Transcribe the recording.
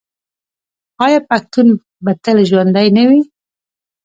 آیا پښتون به تل ژوندی نه وي؟